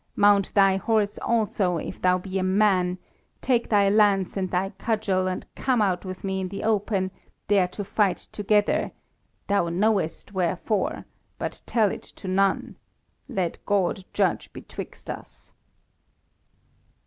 Mount thy horse also, if thou be a man; take thy lance and thy cudgel and come out with me in the open, there to fight together; thou knowest wherefore, but tell it to none. Let God judge betwixt us."